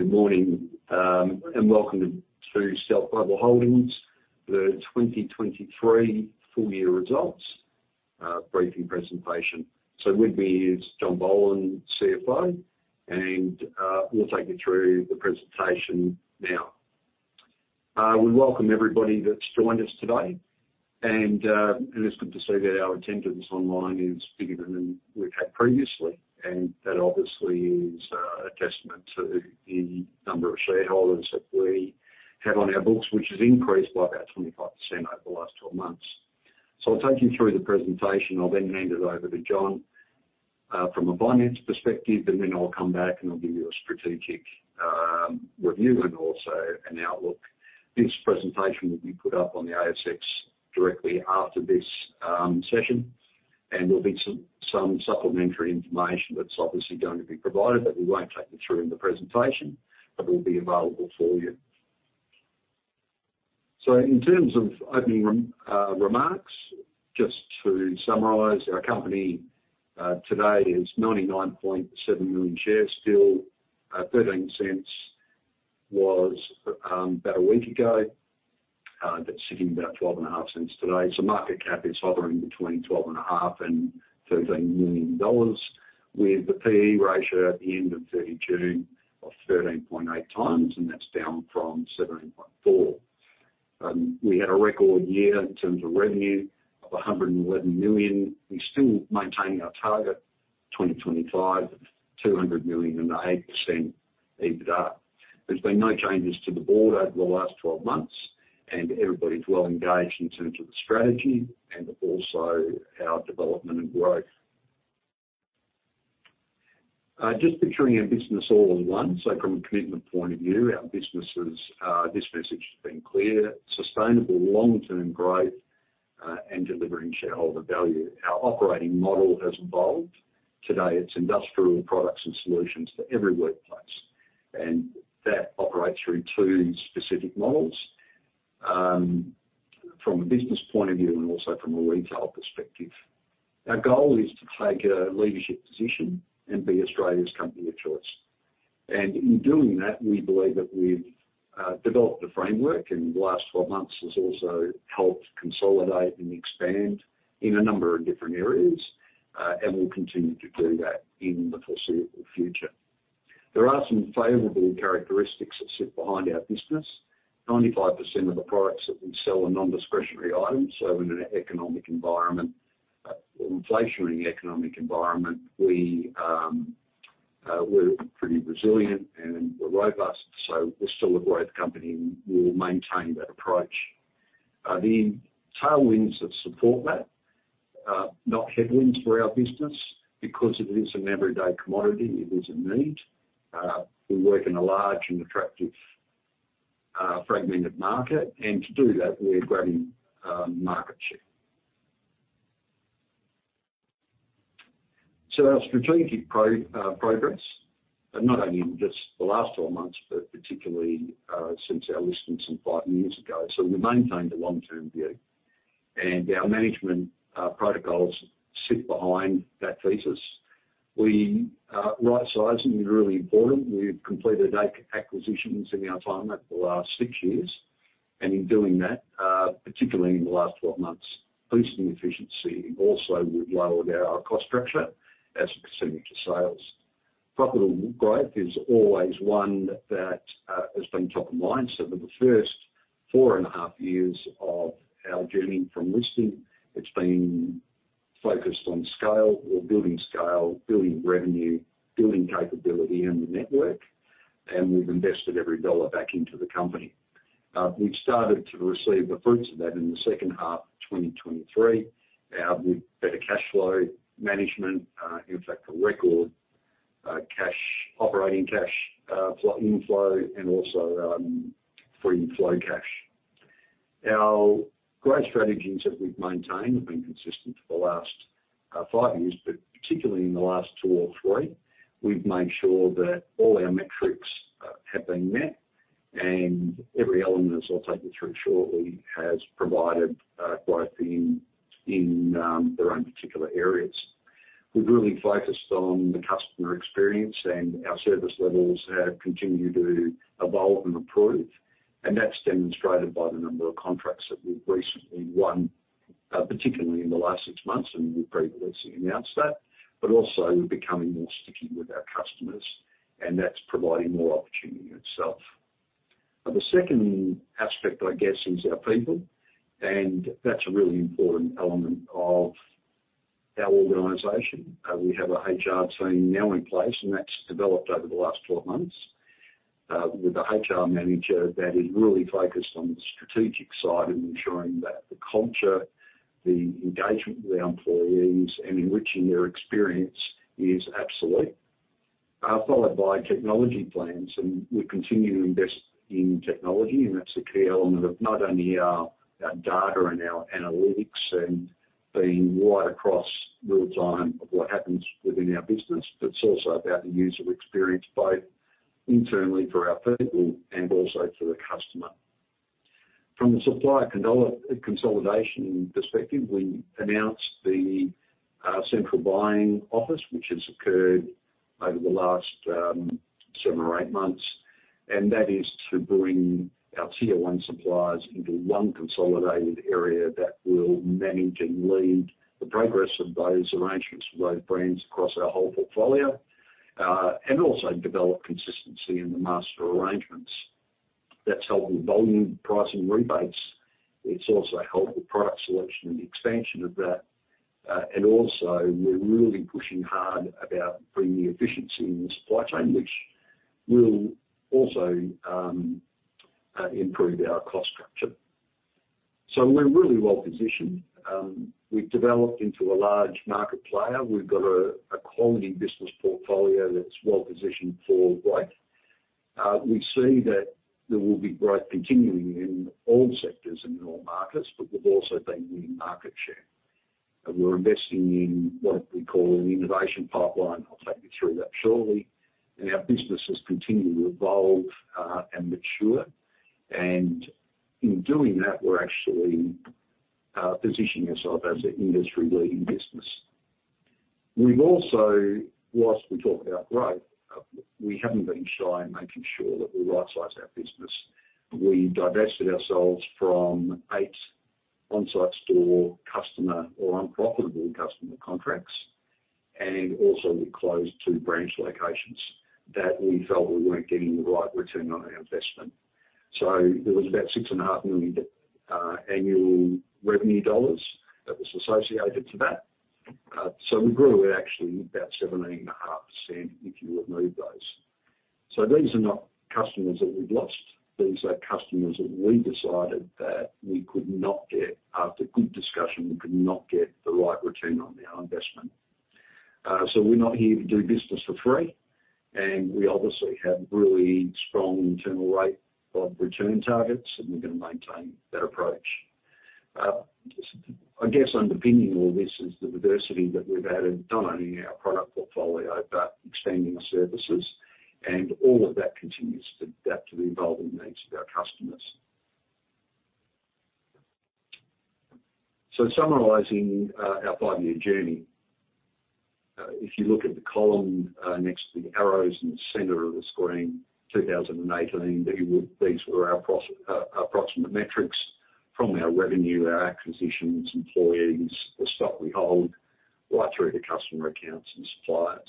Good morning and welcome to Stealth Group Holdings, the 2023 full-year results briefing presentation. With me is John Boland, CFO, and we'll take you through the presentation now. We welcome everybody that's joined us today, and it's good to see that our attendance online is bigger than we've had previously, and that obviously is a testament to the number of shareholders that we have on our books, which has increased by about 25% over the last 12 months. I'll take you through the presentation. I'll then hand it over to John from a finance perspective, and then I'll come back and I'll give you a strategic review and also an outlook. This presentation will be put up on the ASX directly after this session, and there'll be some supplementary information that's obviously going to be provided, but we won't take you through in the presentation, but it will be available for you. In terms of opening remarks, just to summarize, our company today is 99.7 million shares, still 0.13 was about a week ago, that's sitting about 0.125 today. Market cap is hovering between 12.5 million-13 million dollars, with the P/E ratio at the end of 30 June of 13.8x, and that's down from 17.4. We had a record year in terms of revenue of 111 million. We're still maintaining our target 2025 of 200 million and 8% EBITDA. There's been no changes to the board over the last 12 months, and everybody's well engaged in terms of the strategy and also our development and growth. Just picturing our business all in one, so from a commitment point of view, our business is, this message has been clear: sustainable long-term growth and delivering shareholder value. Our operating model has evolved. Today, it's industrial products and solutions to every workplace, and that operates through two specific models from a business point of view and also from a retail perspective. Our goal is to take a leadership position and be Australia's company of choice. In doing that, we believe that we've developed a framework, and the last 12 months has also helped consolidate and expand in a number of different areas, and we'll continue to do that in the foreseeable future. There are some favorable characteristics that sit behind our business. 95% of the products that we sell are non-discretionary items, so in an economic environment or inflationary economic environment, we're pretty resilient and we're robust, so we're still a growth company and we'll maintain that approach. The tailwinds that support that, not headwinds for our business, because it is an everyday commodity, it is a need. We work in a large and attractive fragmented market, and to do that, we're grabbing market share. Our strategic progress, not only in just the last 12 months, but particularly since our listing some five years ago, so we've maintained a long-term view, and our management protocols sit behind that thesis. Right sizing is really important. We've completed eight acquisitions in our time over the last six years, and in doing that, particularly in the last 12 months, boosting efficiency also would lower our cost structure as we continue to sales. Profitable growth is always one that has been top of mind, so for the first four and a half years of our journey from listing, it's been focused on scale. We're building scale, building revenue, building capability in the network, and we've invested every dollar back into the company. We've started to receive the fruits of that in the second half of 2023 with better cash flow management, in fact, a record operating cash inflow and also free flow cash. Our growth strategies that we've maintained have been consistent for the last five years, but particularly in the last two or three, we've made sure that all our metrics have been met, and every element, as I'll take you through shortly, has provided growth in their own particular areas. We've really focused on the customer experience, and our service levels have continued to evolve and improve, and that's demonstrated by the number of contracts that we've recently won, particularly in the last six months, and we've previously announced that, but also we're becoming more sticky with our customers, and that's providing more opportunity itself. The second aspect, I guess, is our people, and that's a really important element of our organisation. We have a HR team now in place, and that's developed over the last 12 months with a HR manager that is really focused on the strategic side and ensuring that the culture, the engagement with our employees, and enriching their experience is absolute, followed by technology plans, and we continue to invest in technology, and that's a key element of not only our data and our analytics and being right across real-time of what happens within our business, but it's also about the user experience, both internally for our people and also for the customer. From a supplier consolidation perspective, we announced the central buying office, which has occurred over the last seven or eight months, and that is to bring our tier one suppliers into one consolidated area that will manage and lead the progress of those arrangements for those brands across our whole portfolio and also develop consistency in the master arrangements. That has helped with volume pricing rebates. It has also helped with product selection and expansion of that, and also we are really pushing hard about bringing efficiency in the supply chain, which will also improve our cost structure. We are really well positioned. We have developed into a large market player. We have got a quality business portfolio that is well positioned for growth. We see that there will be growth continuing in all sectors and in all markets, but we have also been winning market share. We are investing in what we call an innovation pipeline. I'll take you through that shortly. Our business has continued to evolve and mature, and in doing that, we're actually positioning ourselves as an industry-leading business. We've also, whilst we talk about growth, we haven't been shy in making sure that we right-size our business. We divested ourselves from eight on-site store customer or unprofitable customer contracts, and also we closed two branch locations that we felt we weren't getting the right return on our investment. There was about 6.5 million annual revenue that was associated to that. We grew at actually about 17.5% if you remove those. These are not customers that we've lost. These are customers that we decided that we could not get, after good discussion, we could not get the right return on our investment. We're not here to do business for free, and we obviously have really strong internal rate of return targets, and we're going to maintain that approach. I guess underpinning all this is the diversity that we've added, not only in our product portfolio, but expanding our services, and all of that continues to adapt to the evolving needs of our customers. Summarizing our five-year journey, if you look at the column next to the arrows in the center of the screen, 2018, these were our approximate metrics from our revenue, our acquisitions, employees, the stock we hold, right through to customer accounts and suppliers.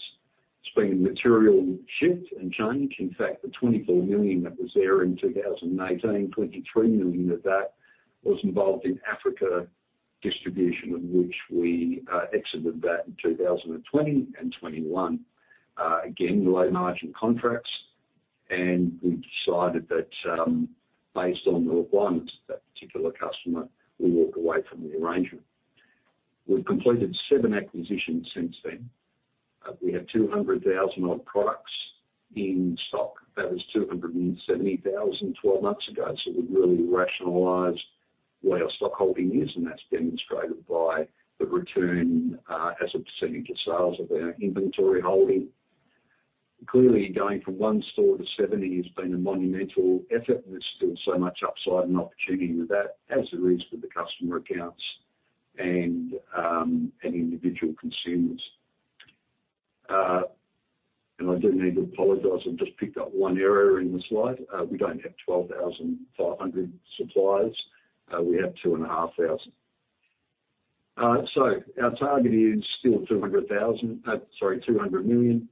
It's been a material shift and change. In fact, the 24 million that was there in 2018, 23 million of that was involved in Africa distribution, of which we exited that in 2020 and 2021. Again, low-margin contracts, and we decided that based on the requirements of that particular customer, we walk away from the arrangement. We've completed seven acquisitions since then. We have 200,000 of products in stock. That was 270,000 12 months ago, so we've really rationalized where our stock holding is, and that's demonstrated by the return as a percentage of sales of our inventory holding. Clearly, going from one store to 70 has been a monumental effort, and there's still so much upside and opportunity with that, as there is with the customer accounts and individual consumers. I do need to apologize. I've just picked up one error in the slide. We don't have 2,500 suppliers. We have 2,500. Our target is still 200 million,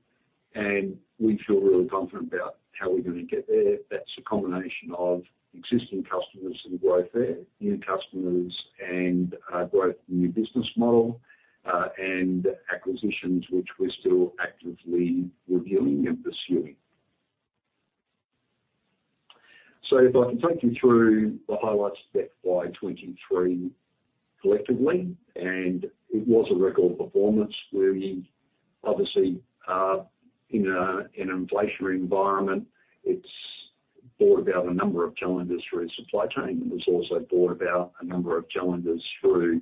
and we feel really confident about how we're going to get there. That's a combination of existing customers and growth there, new customers and growth in the new business model, and acquisitions which we're still actively reviewing and pursuing. If I can take you through the highlights of that by 2023 collectively, it was a record performance where we obviously, in an inflationary environment, it's brought about a number of challenges through supply chain, and it's also brought about a number of challenges through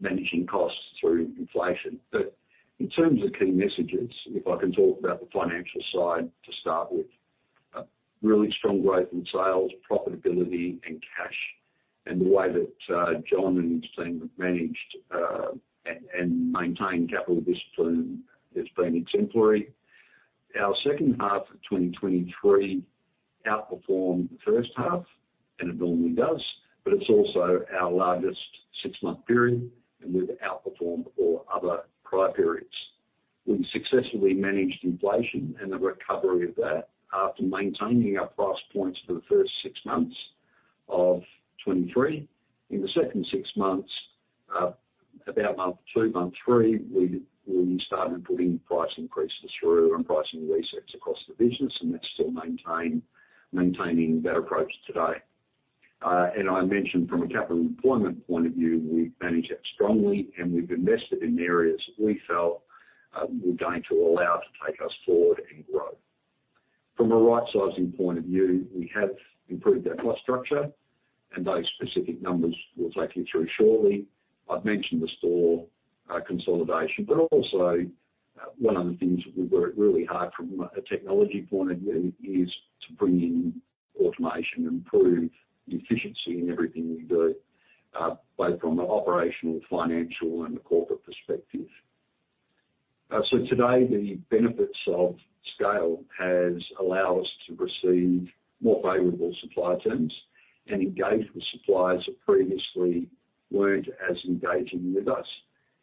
managing costs through inflation. In terms of key messages, if I can talk about the financial side to start with, really strong growth in sales, profitability, and cash, and the way that John and his team have managed and maintained capital discipline has been exemplary. Our second half of 2023 outperformed the first half, and it normally does, but it's also our largest six-month period, and we've outperformed all other prior periods. We successfully managed inflation and the recovery of that after maintaining our price points for the first six months of 2023. In the second six months, about month two, month three, we started putting price increases through and pricing resets across the business, and that is still maintaining that approach today. I mentioned from a capital employment point of view, we have managed that strongly, and we have invested in areas that we felt were going to allow to take us forward and grow. From a right-sizing point of view, we have improved our cost structure, and those specific numbers we will take you through shortly. I have mentioned the store consolidation, but also one of the things that we have worked really hard from a technology point of view is to bring in automation and improve efficiency in everything we do, both from an operational, financial, and corporate perspective. Today, the benefits of scale have allowed us to receive more favorable supply terms and engage with suppliers that previously weren't as engaging with us,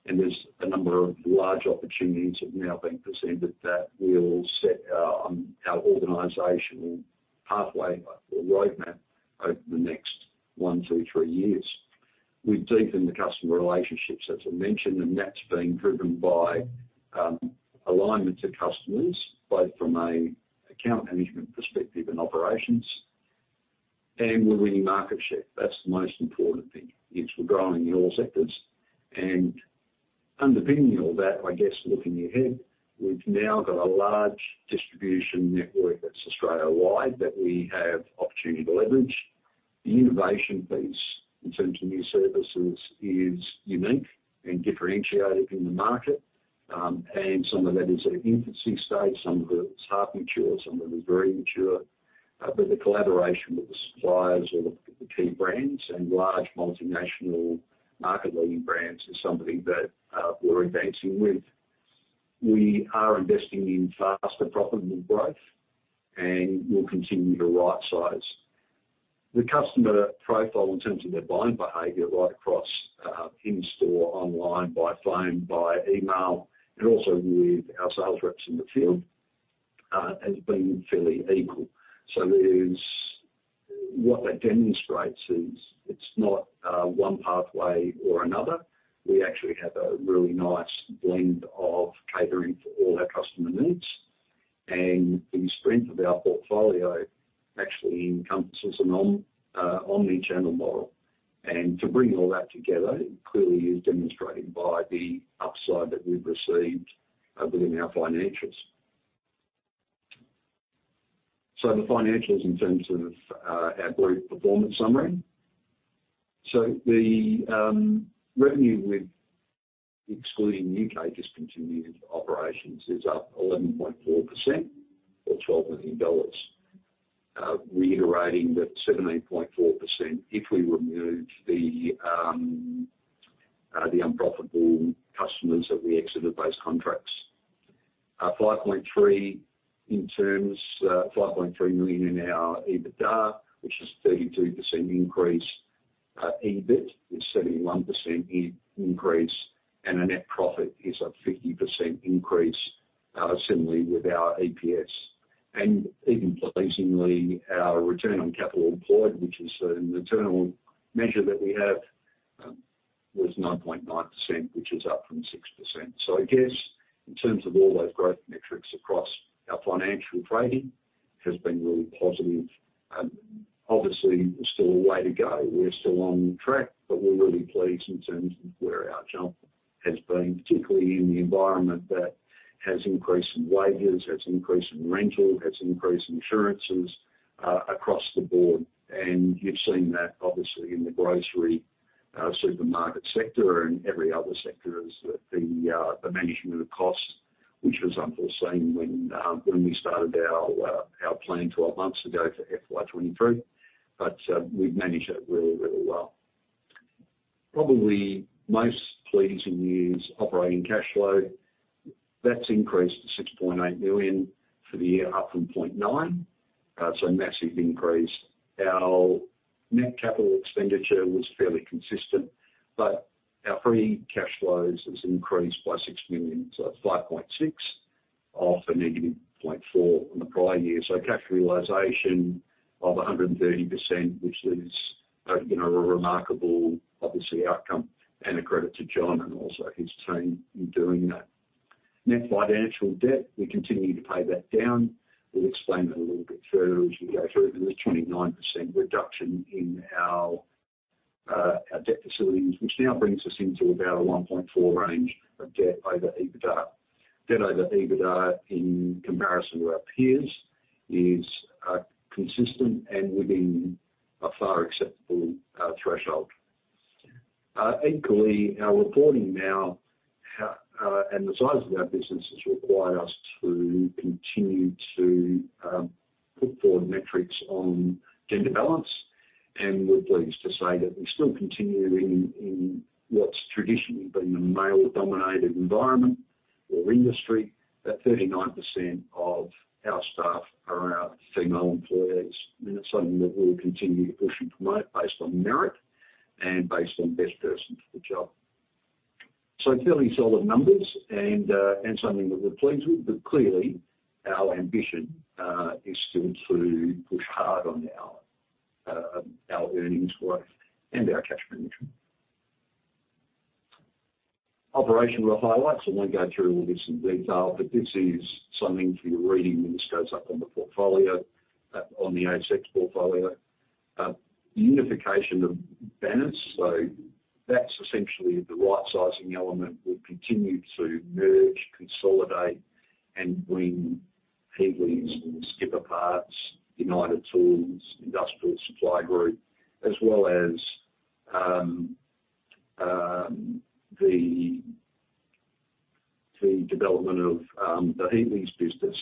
and there's a number of large opportunities that have now been presented that will set our organizational pathway or roadmap over the next one, two, three years. We've deepened the customer relationships, as I mentioned, and that's been driven by alignment to customers, both from an account management perspective and operations, and we're winning market share. That's the most important thing, is we're growing in all sectors. Underpinning all that, I guess looking ahead, we've now got a large distribution network that's Australia-wide that we have opportunity to leverage. The innovation piece in terms of new services is unique and differentiated in the market, and some of that is at infancy stage, some of it's half mature, some of it is very mature, but the collaboration with the suppliers or the key brands and large multinational market-leading brands is something that we're advancing with. We are investing in faster profitable growth, and we'll continue to right-size. The customer profile in terms of their buying behaviour right across in-store, online, by phone, by email, and also with our sales reps in the field has been fairly equal. What that demonstrates is it's not one pathway or another. We actually have a really nice blend of catering for all our customer needs, and the strength of our portfolio actually encompasses an omnichannel model. To bring all that together, it clearly is demonstrated by the upside that we've received within our financials. The financials in terms of our growth performance summary: the revenue, excluding U.K. discontinued operations, is up 11.4% or 12 million dollars, reiterating that 17.4% if we remove the unprofitable customers that we exited those contracts. 5.3 million in our EBITDA, which is a 32% increase. EBIT is a 71% increase, and our net profit is a 50% increase, similarly with our EPS. Even pleasingly, our return on capital employed, which is an internal measure that we have, was 9.9%, which is up from 6%. I guess in terms of all those growth metrics across our financial trading, it has been really positive. Obviously, there's still a way to go. We're still on track, but we're really pleased in terms of where our jump has been, particularly in the environment that has increased in wages, has increased in rental, has increased in insurances across the board. You have seen that, obviously, in the grocery supermarket sector and every other sector, is the management of costs, which was unforeseen when we started our plan 12 months ago for FY2023, but we have managed it really, really well. Probably most pleasing is operating cash flow. That has increased to 6.8 million for the year, up from 0.9 million, a massive increase. Our net capital expenditure was fairly consistent, but our free cash flows have increased by 6 million, so it is 5.6 million off a negative 0.4 million in the prior year. Cash realisation of 130%, which is a remarkable, obviously, outcome, and a credit to John and also his team in doing that. Net financial debt, we continue to pay that down. We'll explain that a little bit further as we go through. There's a 29% reduction in our debt facilities, which now brings us into about a 1.4 range of debt over EBITDA. Debt over EBITDA in comparison to our peers is consistent and within a far acceptable threshold. Equally, our reporting now and the size of our business has required us to continue to put forward metrics on gender balance, and we're pleased to say that we still continue in what's traditionally been a male-dominated environment or industry. 39% of our staff are female employees. I mean, it's something that we'll continue to push and promote based on merit and based on best person for the job. Fairly solid numbers and something that we're pleased with, but clearly, our ambition is still to push hard on our earnings growth and our cash management. Operational highlights. I won't go through all this in detail, but this is something for your reading when this goes up on the portfolio, on the ASX portfolio. Unification of banners. That's essentially the right-sizing element. We've continued to merge, consolidate, and bring Heatleys and Skipper Parts, United Tools, Industrial Supply Group, as well as the development of the Heatleys business.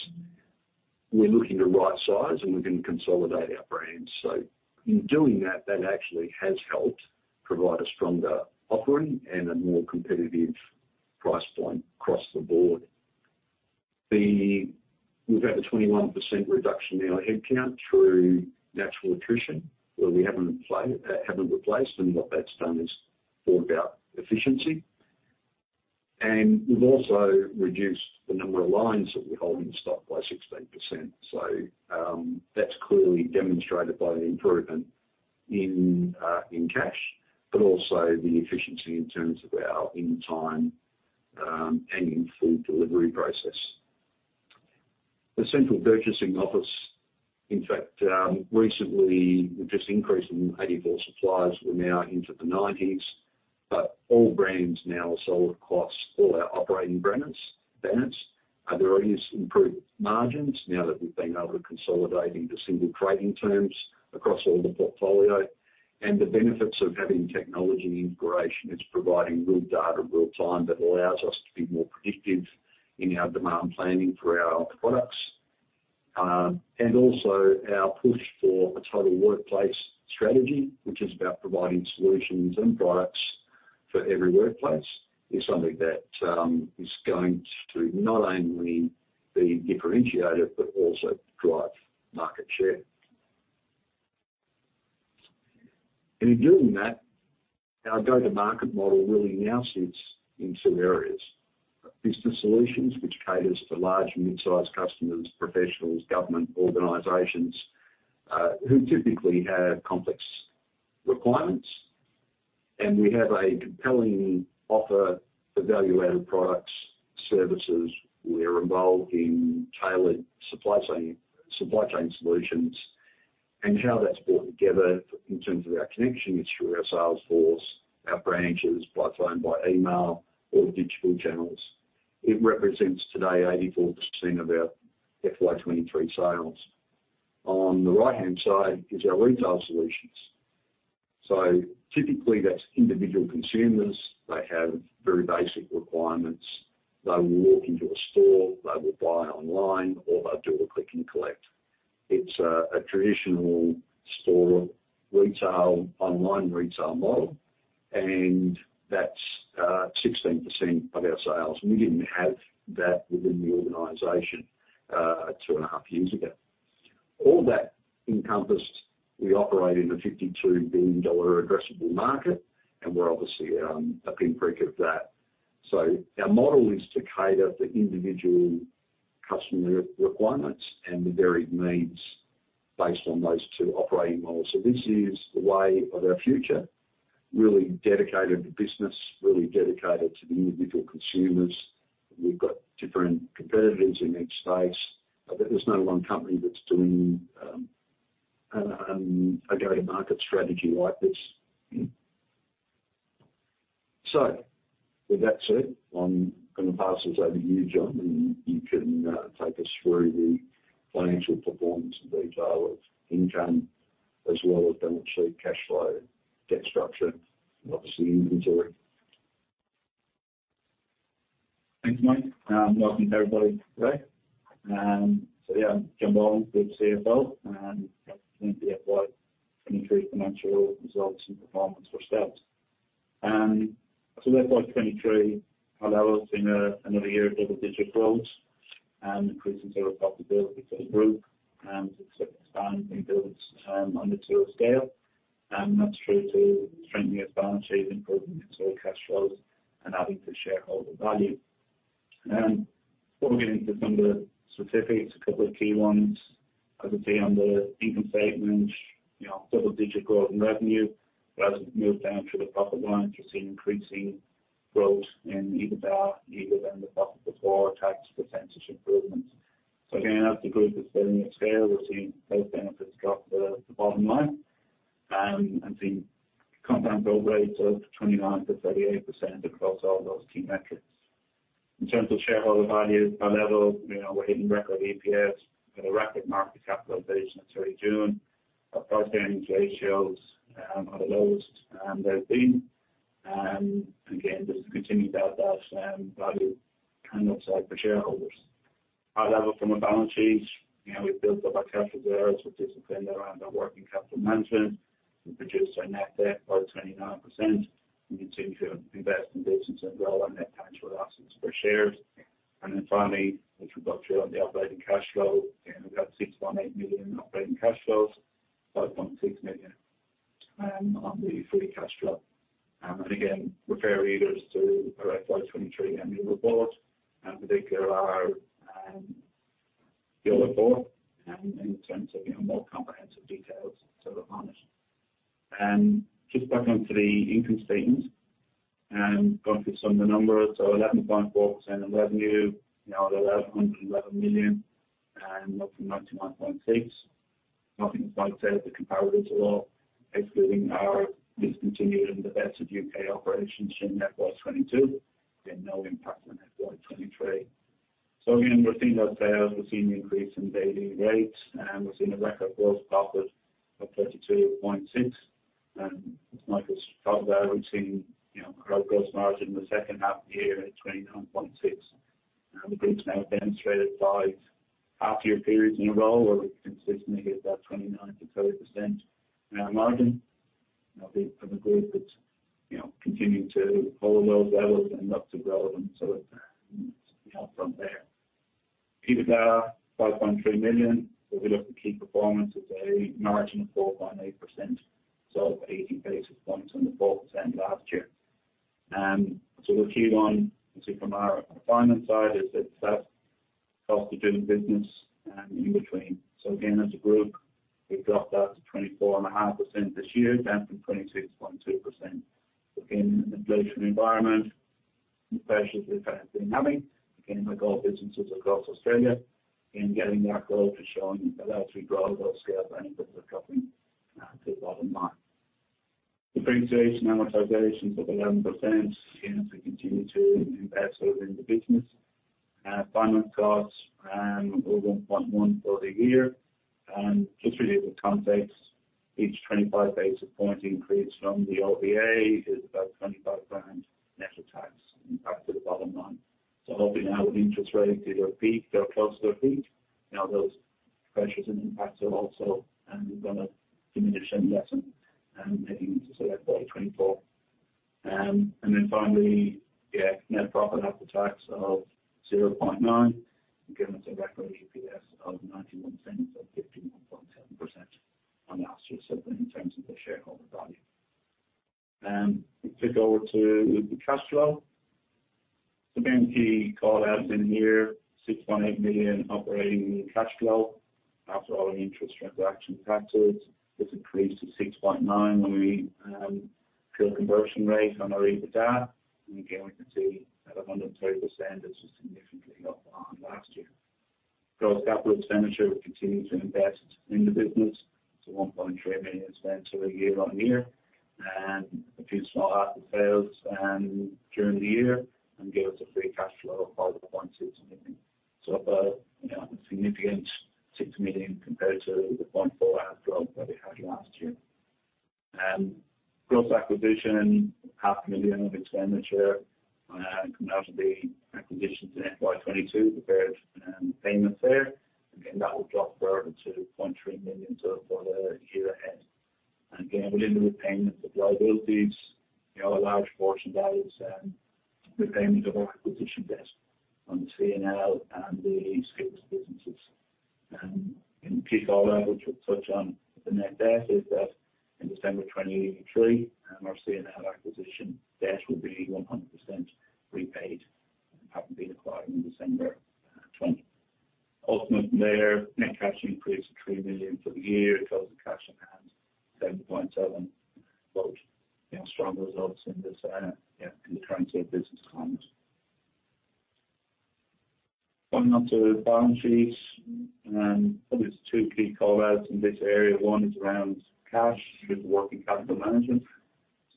We're looking to right-size, and we're going to consolidate our brands. In doing that, that actually has helped provide a stronger offering and a more competitive price point across the board. We've had a 21% reduction in our headcount through natural attrition, where we haven't replaced, and what that's done is brought about efficiency. We have also reduced the number of lines that we hold in stock by 16%. That is clearly demonstrated by the improvement in cash, but also the efficiency in terms of our in-time and in-full delivery process. The central purchasing office, in fact, recently increased from 84 suppliers; we are now into the 90s. All brands now are sold across all our operating banners. There are improved margins now that we have been able to consolidate into single trading terms across all the portfolio. The benefits of having technology integration is providing real data, real-time, that allows us to be more predictive in our demand planning for our products. Our push for a total workplace strategy, which is about providing solutions and products for every workplace, is something that is going to not only be differentiated but also drive market share. In doing that, our go-to-market model really now sits in two areas: business solutions, which caters to large, mid-sized customers, professionals, government organizations who typically have complex requirements, and we have a compelling offer for value-added products, services. We're involved in tailored supply chain solutions. How that's brought together in terms of our connection is through our sales force, our branches, by phone, by email, or digital channels. It represents today 84% of our FY2023 sales. On the right-hand side is our retail solutions. Typically, that's individual consumers. They have very basic requirements. They will walk into a store. They will buy online, or they'll do a click and collect. It's a traditional store retail online retail model, and that's 16% of our sales. We didn't have that within the organization two and a half years ago. All that encompassed, we operate in a 52 billion dollar addressable market, and we're obviously a pinprick of that. Our model is to cater for individual customer requirements and the varied needs based on those two operating models. This is the way of our future, really dedicated to business, really dedicated to the individual consumers. We've got different competitors in each space, but there's no one company that's doing a go-to-market strategy like this. With that said, I'm going to pass this over to you, John, and you can take us through the financial performance and retail of income as well as balance sheet, cash flow, debt structure, and obviously inventory. Thanks, Mike. Welcome to everybody. Yeah, John Boland, Group CFO, and representing the FY2023 financial results and performance for Stealth. The FY2023, we're now looking at another year of double-digit growth and increasing total profitability for the group and expanding builds on the tool scale. That is true to strengthening expansion, improving inventory cash flows, and adding to shareholder value. Before we get into some of the specifics, a couple of key ones. As we see on the income statement, double-digit growth in revenue. As we've moved down through the profit line, we've seen increasing growth in EBITDA, EBITDA and the profit before tax percentage improvements. Again, as the group is building its scale, we've seen those benefits drop at the bottom line and seen compound growth rates of 29%-38% across all those key metrics. In terms of shareholder value, high level, we're hitting record EPS. We've had a record market capitalisation through June. Our price-to-earnings ratios are the lowest they've been. This has continued to add value and upside for shareholders. High level from a balance sheet, we've built up our cash reserves, which is dependent on our working capital management. We've reduced our net debt by 29%. We continue to invest in business and grow our net tax reliability for shares. Finally, as we've got through on the operating cash flow, we've had 6.8 million operating cash flows, 5.6 million on the free cash flow. Refer readers to our FY2023 annual report, and particularly our year report, in terms of more comprehensive details to look on it. Just back onto the income statement, going through some of the numbers. 11.4% in revenue, now at 111 million, and up from 99.6 million. I think, as Mike said, the comparatives are excluding our discontinued and the best of U.K. operations in 2022. Been no impact on 2023. We've seen those sales. We've seen an increase in daily rates, and we've seen a record gross profit of 32.6%. As Mike was part of that, we've seen our gross margin in the second half of the year at 29.6%. The group's now demonstrated five half-year periods in a row where we've consistently hit that 29%-30% margin. I think for the group, it's continued to hold those levels and look to grow them from there. EBITDA, 5.3 million. If we look at key performance, it's a margin of 4.8%, so 80 basis points on the 4% last year. The key one, obviously, from our finance side is that that's cost of doing business in between. Again, as a group, we've dropped that to 24.5% this year, down from 26.2%. Again, in an inflationary environment, the pressures we've been having, our gold businesses across Australia, getting that growth and showing that as we grow, those scale benefits are dropping to the bottom line. Depreciation amortization is at 11%, as we continue to invest within the business. Finance costs are over 1.1 for the year. Just really as a context, each 25 basis point increase from the OVA is about 25 grand net of tax impact to the bottom line. Hopefully now, with interest rates either peaked or close to a peak, those pressures and impacts are also going to diminish and lessen, making it into some FY2024. Finally, net profit after tax of 0.9 million, giving us a record EPS of 0.91, up 51.7% on last year's in terms of the shareholder value. Let's pick over to the cash flow. Key call outs in here, 6.8 million operating cash flow after all our interest, transaction, taxes. This increased to 6.9 million when we peel conversion rate on our EBITDA. We can see that 103% is significantly up on last year. Gross capital expenditure, we continue to invest in the business. It's 1.3 million spent year on year. A few small asset sales during the year give us a free cash flow of 5.6 million. About a significant 6 million compared to the 0.4 million asset flow that we had last year. Gross acquisition, $500,000 of expenditure coming out of the acquisitions in FY2022, prepared payments there. That will drop further to $300,000 for the year ahead. Within the repayments of liabilities, a large portion of that is repayment of our acquisition debt on the C&L and the Skipper Parts businesses. A key call out, which we'll touch on at the net debt, is that in December 2023, our C&L acquisition debt will be 100% repaid after being acquired in December 2020. Ultimately there, net cash increased to $3 million for the year, closing cash at hand $7.7 million. Both strong results in the current year business climate. Going on to the balance sheet, probably there's two key call outs in this area. One is around cash through the working capital management.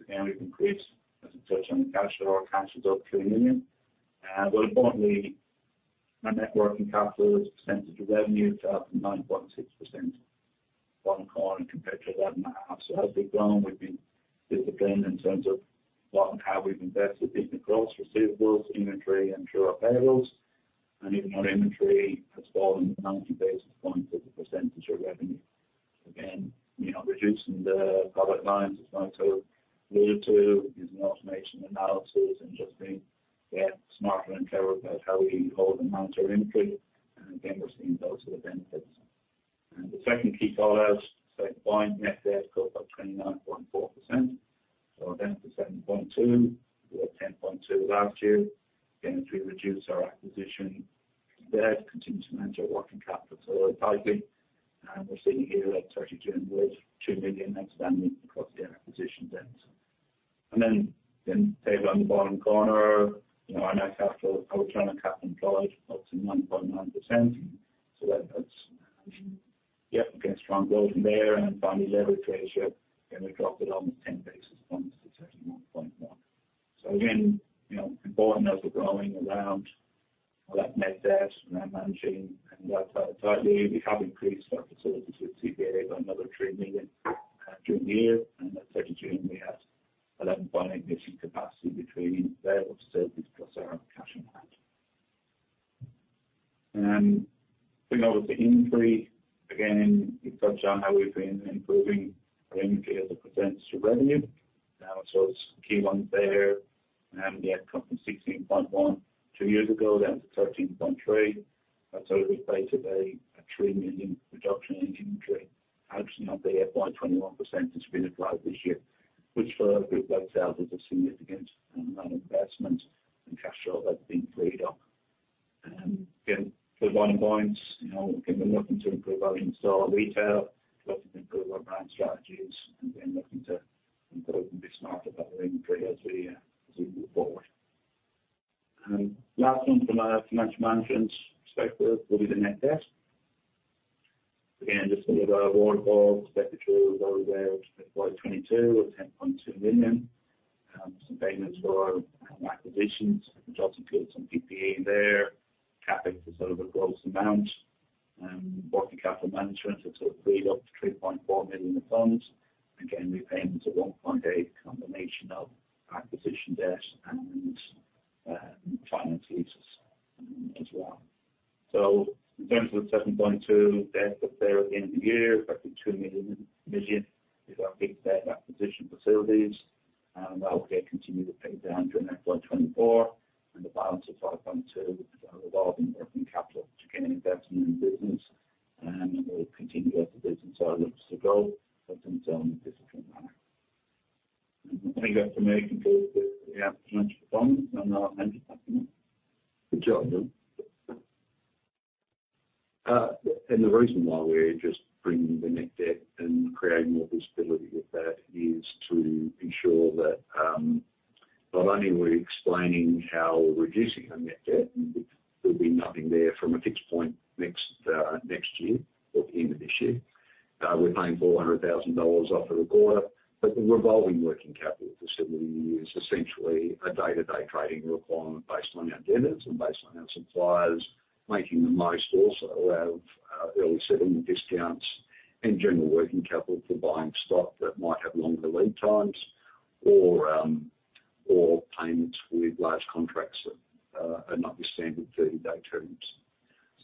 Again, we've increased, as we touched on the cash flow, our cash is up AUD 3 million. Importantly, our net working capital as a percentage of revenue is 12.6%. Bottom corner compared to 11.5%. As we've grown, we've been disciplined in terms of how we've invested in the gross receivables, inventory, and true operables. Even our inventory has fallen to 90 basis points as a percentage of revenue. Reducing the product lines, as Mike alluded to, using automation analysis and just being, yeah, smarter and clever about how we hold and manage our inventory. We're seeing those are the benefits. The second key call out, second point, net debt goes up 29.4%. Down to 7.2 million, we were at 10.2 million last year. As we reduce our acquisition debt, continue to manage our working capital so that it's healthy. We're sitting here at 32 and with 2 million expanding across the acquisition debt. Again, table on the bottom corner, our net capital, our return on capital employed, up to 9.9%. That's, yeah, again, strong growth from there. Finally, leverage ratio, again, we've dropped it almost 10 basis points to 31.1. Again, important as we're growing around that net debt and managing that tightly, we have increased our facilities with Commonwealth Bank of Australia by another 3 million during the year. At 32, we had 11.8 million capacity between variable facilities plus our cash on hand. Going over to inventory. Again, we've touched on how we've been improving our inventory as a percentage of revenue. Now, as well as key ones there, yeah, come from 16.1 two years ago, down to 13.3. We've made today a 3 million reduction in inventory. Actually, not the FY2021 percentage we've applied this year, which for a group like Stealth is a significant amount of investment, and cash flow has been freed up. Again, for the bottom points, again, we're looking to improve our in-store retail, looking to improve our brand strategies, and again, looking to improve and be smarter about our inventory as we move forward. Last one from a financial management perspective will be the net debt. Again, just a bit of our waterfall, expected to roll over FY2022 at AUD 10.2 million. Some payments for acquisitions, which also includes some PPE in there. CapEx is sort of a gross amount. Working capital management has sort of freed up 3.4 million of funds. Again, repayments of 1.8 million combination of acquisition debt and finance leases as well. In terms of the AUD 7.2 million debt that's there at the end of the year, roughly 2 million is our fixed debt acquisition facilities. That will continue to pay down through FY2024. The balance of 5.2 million is our revolving working capital, which again, is investment in business. We'll continue as the business outlook still goes in a disciplined manner. I think that's for me. Conclude with the financial performance, and I'll hand it back to Mike. Good job, John. The reason why we're just bringing the net debt and creating more visibility with that is to ensure that not only are we explaining how we're reducing our net debt, there'll be nothing there from a fixed point next year or the end of this year. We're paying 400,000 dollars off the recorder, but the revolving working capital facility is essentially a day-to-day trading requirement based on our debtors and based on our suppliers, making the most also out of early settlement discounts and general working capital for buying stock that might have longer lead times or payments with large contracts that are not your standard 30-day terms.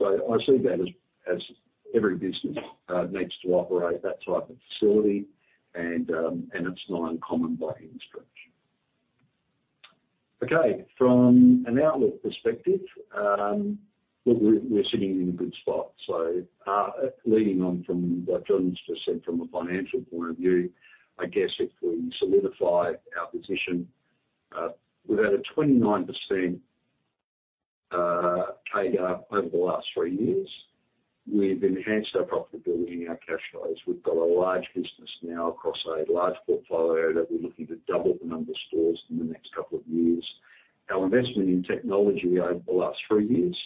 I see that as every business needs to operate that type of facility, and it's not uncommon by any stretch. From an outlook perspective, look, we're sitting in a good spot. Leading on from what John's just said from a financial point of view, I guess if we solidify our position, we've had a 29% CAGR over the last three years. We've enhanced our profitability and our cash flows. We've got a large business now across a large portfolio that we're looking to double the number of stores in the next couple of years. Our investment in technology over the last three years,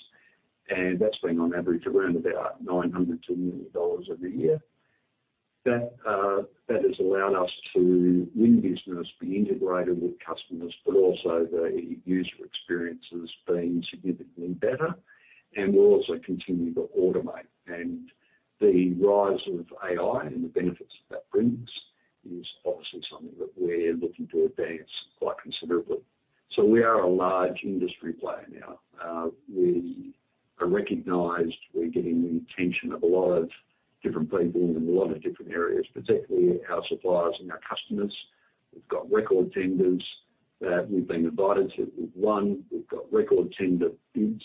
and that's been on average around about 900,000-1 million dollars every year. That has allowed us to win business, be integrated with customers, but also the user experience has been significantly better. We will also continue to automate. The rise of AI and the benefits that that brings is obviously something that we're looking to advance quite considerably. We are a large industry player now. We are recognized. We're getting the attention of a lot of different people in a lot of different areas, particularly our suppliers and our customers. We've got record tenders that we've been invited to that we've won. We've got record tender bids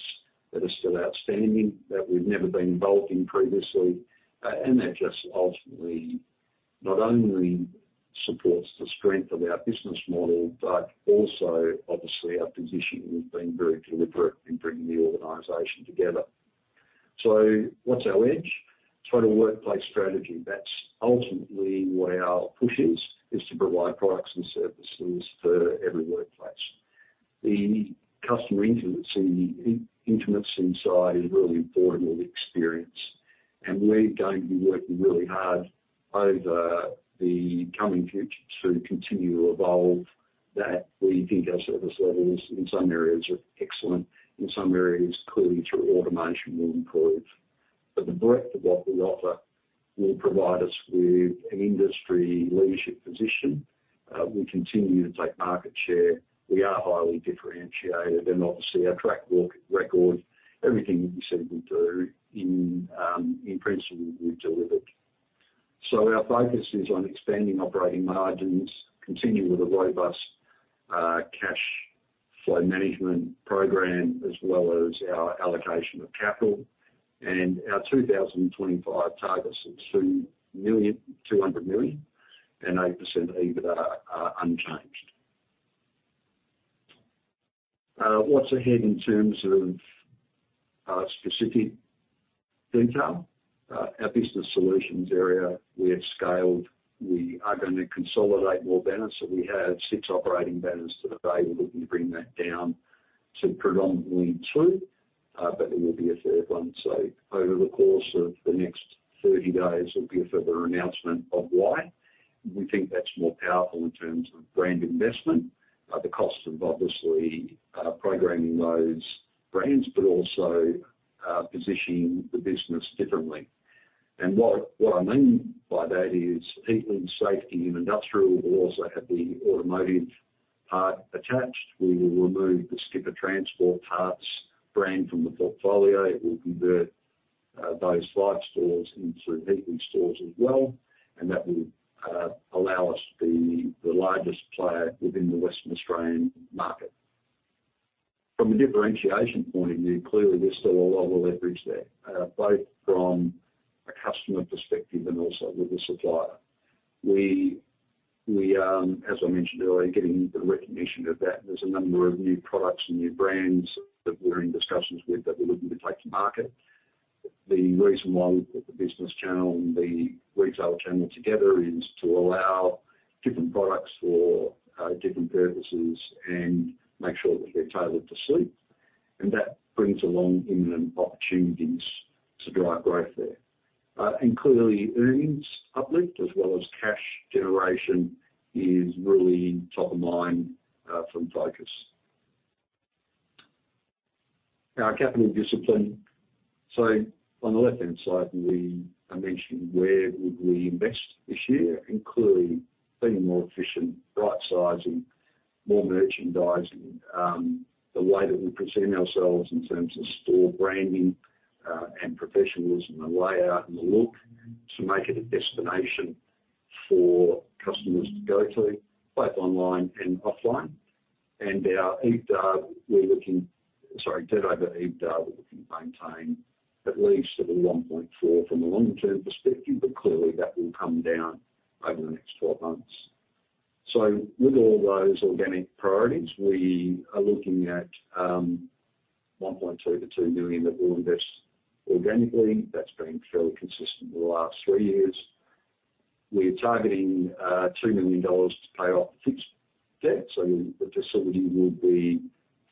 that are still outstanding that we've never been involved in previously. That just ultimately not only supports the strength of our business model, but also obviously our position has been very deliberate in bringing the organisation together. What's our edge? Total workplace strategy. That's ultimately what our push is, is to provide products and services for every workplace. The customer intimacy side is really important with experience. We're going to be working really hard over the coming future to continue to evolve that. We think our service levels in some areas are excellent. In some areas, clearly through automation, we'll improve. The breadth of what we offer will provide us with an industry leadership position. We continue to take market share. We are highly differentiated. Obviously, our track record, everything that we seem to do, in principle, we've delivered. Our focus is on expanding operating margins, continue with a robust cash flow management program, as well as our allocation of capital. Our 2025 targets are 200 million and 8% EBITDA, unchanged. What's ahead in terms of specific detail? Our business solutions area, we have scaled. We are going to consolidate more banners. We have six operating banners today. We're looking to bring that down to predominantly two, but there will be a third one. Over the course of the next 30 days, there will be a further announcement of why. We think that's more powerful in terms of brand investment, the cost of obviously programming those brands, but also positioning the business differently. What I mean by that is heat and safety in industrial. We'll also have the automotive part attached. We will remove the Skipper Parts brand from the portfolio. It will convert those five stores into Heatleys stores as well. That will allow us to be the largest player within the Western Australian market. From a differentiation point of view, clearly, there is still a lot of leverage there, both from a customer perspective and also with the supplier. As I mentioned earlier, getting the recognition of that, there are a number of new products and new brands that we are in discussions with that we are looking to take to market. The reason why we put the business channel and the retail channel together is to allow different products for different purposes and make sure that they are tailored to suit. That brings along imminent opportunities to drive growth there. Clearly, earnings uplift as well as cash generation is really top of mind from focus. Our capital discipline. On the left-hand side, we are mentioning where would we invest this year. Clearly, being more efficient, right-sizing, more merchandising, the way that we present ourselves in terms of store branding and professionalism, the layout and the look to make it a destination for customers to go to, both online and offline. Our EBITDA, we're looking—sorry, debt over EBITDA, we're looking to maintain at least at a 1.4 from a long-term perspective, but clearly, that will come down over the next 12 months. With all those organic priorities, we are looking at 1.2 million-2 million that we'll invest organically. That's been fairly consistent in the last three years. We are targeting 2 million dollars to pay off the fixed debt. The facility will be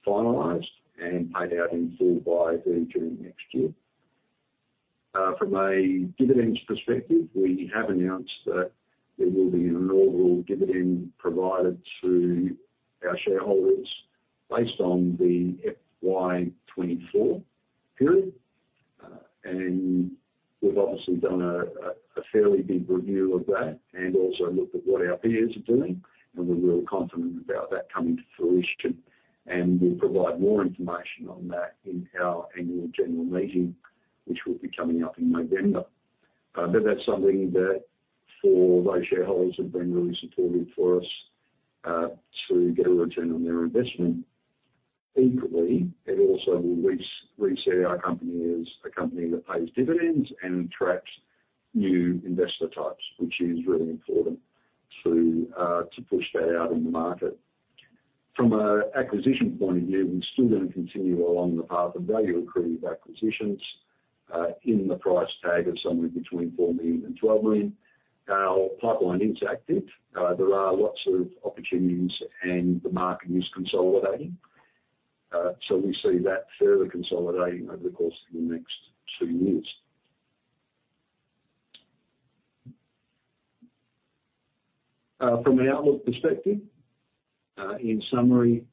finalized and paid out in full by the end of the next year. From a dividends perspective, we have announced that there will be an inaugural dividend provided to our shareholders based on the FY2024 period. We have obviously done a fairly big review of that and also looked at what our peers are doing. We are really confident about that coming to fruition. We will provide more information on that in our annual general meeting, which will be coming up in November. That is something that for those shareholders that have been really supportive for us to get a return on their investment. Equally, it also will reset our company as a company that pays dividends and attracts new investor types, which is really important to push that out in the market. From an acquisition point of view, we are still going to continue along the path of value-accretive acquisitions in the price tag of somewhere between 4 million and 12 million. Our pipeline is active. There are lots of opportunities, and the market is consolidating. We see that further consolidating over the course of the next two years. From an outlook perspective, in summary,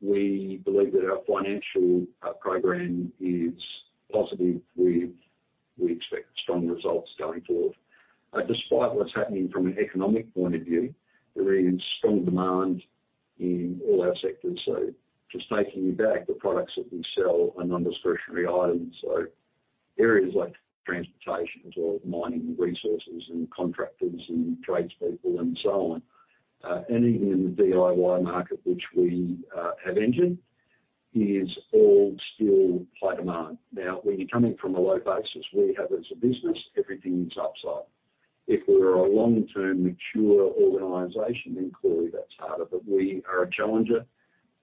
we believe that our financial program is positive. We expect strong results going forward. Despite what's happening from an economic point of view, there is strong demand in all our sectors. Just taking you back, the products that we sell are non-discretionary items. Areas like transportation, as well as mining resources and contractors and tradespeople and so on. Even in the DIY market, which we have entered, is all still high demand. Now, when you're coming from a low basis, we have as a business, everything is upside. If we're a long-term mature organization, then clearly that's harder. We are a challenger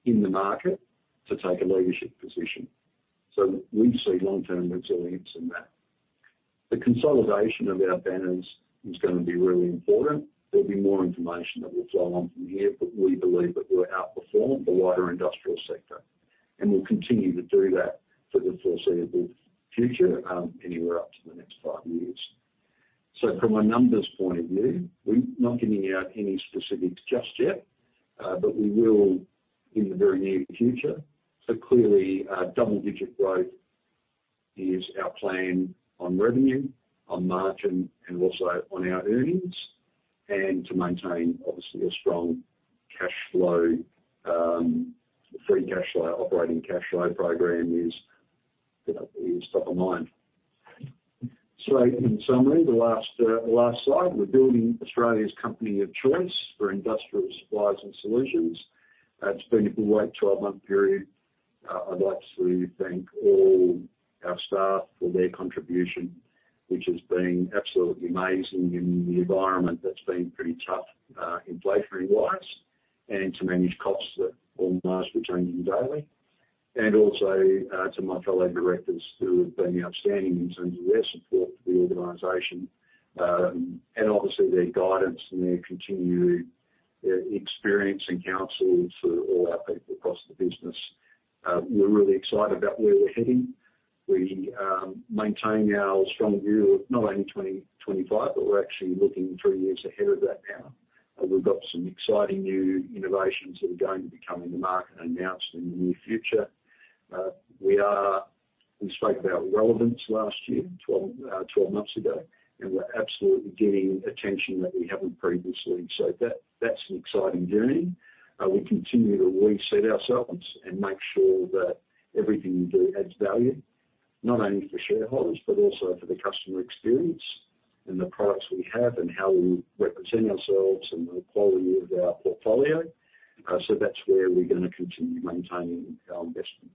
in the market to take a leadership position. We see long-term resilience in that. The consolidation of our banners is going to be really important. There will be more information that will flow on from here, but we believe that we will outperform the wider industrial sector. We will continue to do that for the foreseeable future, anywhere up to the next five years. From a numbers point of view, we are not giving out any specifics just yet, but we will in the very near future. Clearly, double-digit growth is our plan on revenue, on margin, and also on our earnings. To maintain, obviously, a strong cash flow, free cash flow, operating cash flow program is top of mind. In summary, the last slide, we are building Australia's company of choice for industrial supplies and solutions. It has been a great 12-month period. I'd like to thank all our staff for their contribution, which has been absolutely amazing in the environment that's been pretty tough inflationary-wise and to manage costs that almost were changing daily. I also thank my fellow directors who have been outstanding in terms of their support for the organization. Obviously, their guidance and their continued experience and counsel for all our people across the business. We're really excited about where we're heading. We maintain our strong view of not only 2025, but we're actually looking three years ahead of that now. We've got some exciting new innovations that are going to come in the market and be announced in the near future. We spoke about relevance last year, 12 months ago, and we're absolutely getting attention that we haven't previously. That is an exciting journey. We continue to reset ourselves and make sure that everything we do adds value, not only for shareholders, but also for the customer experience and the products we have and how we represent ourselves and the quality of our portfolio. That is where we are going to continue maintaining our investment.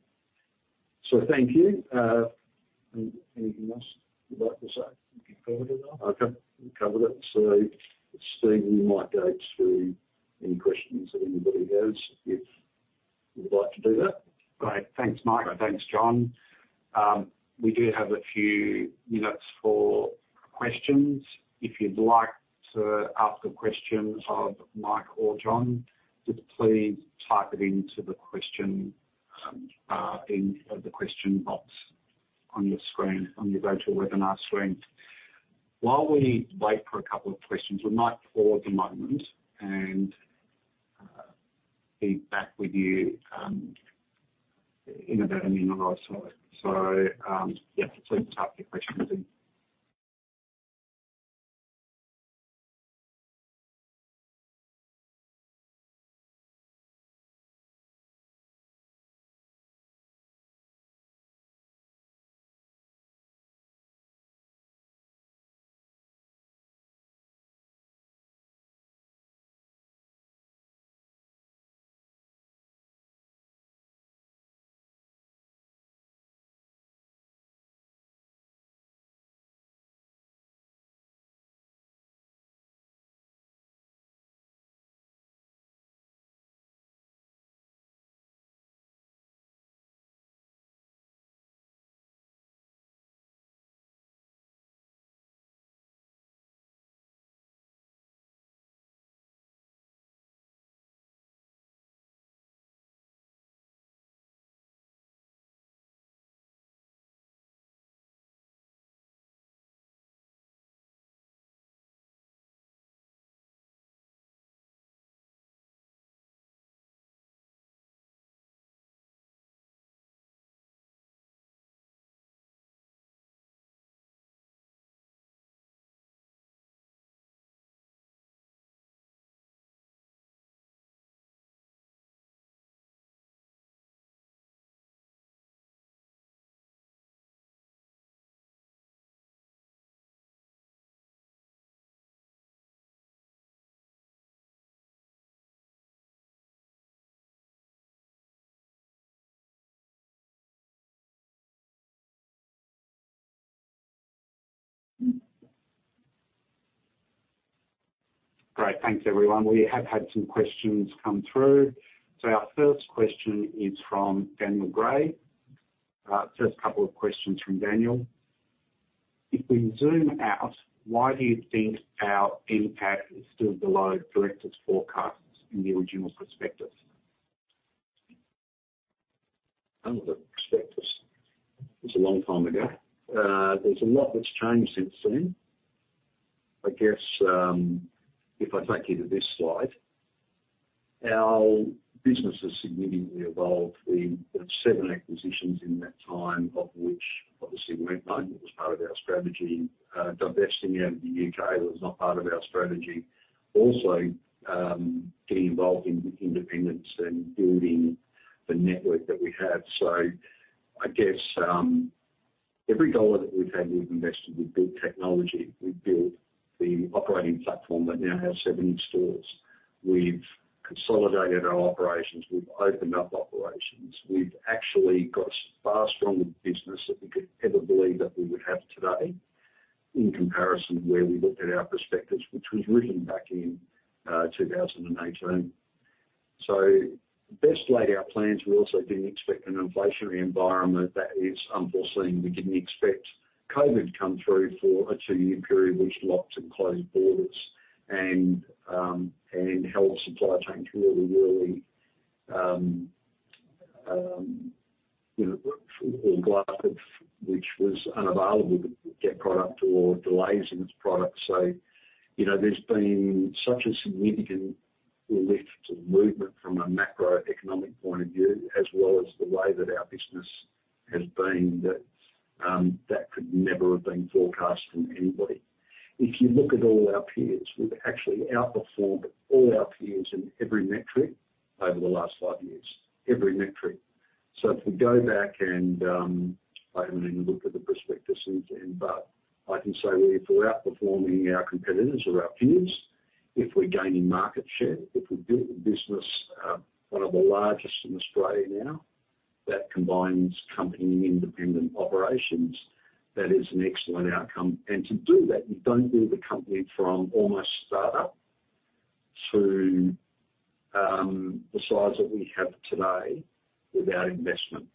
Thank you. Anything else you'd like to say? We've covered it all. Okay. We've covered it. Steve, we might go to any questions that anybody has if you'd like to do that. Great. Thanks, Mike. Thanks, John. We do have a few minutes for questions. If you'd like to ask a question of Mike or John, just please type it into the question box on your screen, on your virtual webinar screen. While we wait for a couple of questions, we might pause a moment and be back with you in a bit on the other side. Please type your questions in. Great. Thanks, everyone. We have had some questions come through. Our first question is from Daniel Gray. First couple of questions from Daniel. If we zoom out, why do you think our impact is still below directors' forecasts in the original prospectus? Under the prospectus. It's a long time ago. There's a lot that's changed since then. I guess if I take you to this slide, our business has significantly evolved. We've done seven acquisitions in that time, of which obviously we weren't knowing. It was part of our strategy. Divesting out of the U.K. was not part of our strategy. Also getting involved in independents and building the network that we have. I guess every dollar that we've had, we've invested in good technology. We've built the operating platform that now has 70 stores. We've consolidated our operations. We've opened up operations. We've actually got a far stronger business than we could ever believe that we would have today in comparison to where we looked at our perspectives, which was written back in 2018. Best laid out plans. We also didn't expect an inflationary environment that is unforeseen. We didn't expect COVID to come through for a two-year period, which locked and closed borders and held supply chains really, really all glassed up, which was unavailable to get product or delays in its product. There's been such a significant lift and movement from a macroeconomic point of view, as well as the way that our business has been, that that could never have been forecast from anybody. If you look at all our peers, we've actually outperformed all our peers in every metric over the last five years, every metric. If we go back and open and look at the perspectives, I can say we're outperforming our competitors or our peers. If we're gaining market share, if we've built a business, one of the largest in Australia now, that combines company and independent operations, that is an excellent outcome. To do that, you don't build a company from almost startup to the size that we have today without investment.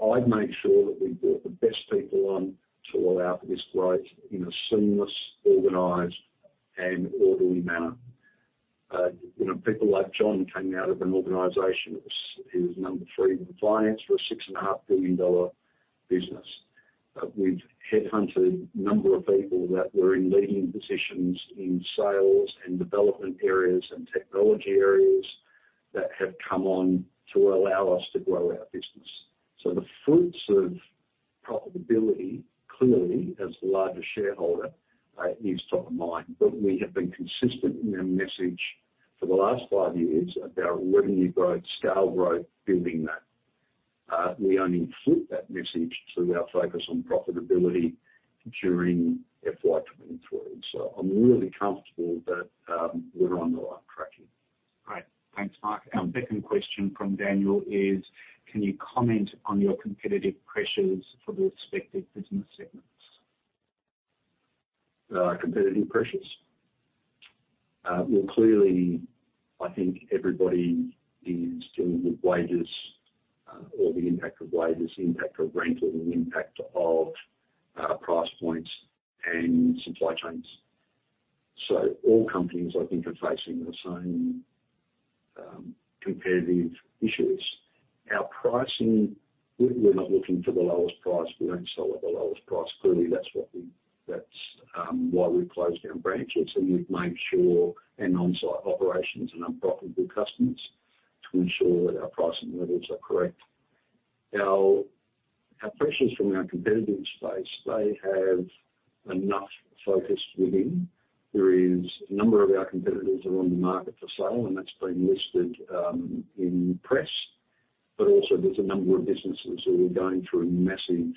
I've made sure that we've brought the best people on to allow for this growth in a seamless, organized, and orderly manner. People like John came out of an organization that was number three in finance for a $6.5 billion business. We've headhunted a number of people that were in leading positions in sales and development areas and technology areas that have come on to allow us to grow our business. The fruits of profitability, clearly, as the largest shareholder, are top of mind. We have been consistent in our message for the last five years about revenue growth, scale growth, building that. We only flipped that message to our focus on profitability during FY2023. I'm really comfortable that we're on the right track here. Great. Thanks, Mike. Our second question from Daniel is, can you comment on your competitive pressures for the respective business segments? Competitive pressures? Clearly, I think everybody is dealing with wages, or the impact of wages, the impact of rental, the impact of price points, and supply chains. All companies, I think, are facing the same competitive issues. Our pricing, we're not looking for the lowest price. We don't sell at the lowest price. Clearly, that's why we've closed down branches. We've made sure and on-site operations and unprofitable customers to ensure that our pricing levels are correct. Our pressures from our competitive space, they have enough focus within. There is a number of our competitors that are on the market for sale, and that's been listed in press. There is a number of businesses that are going through massive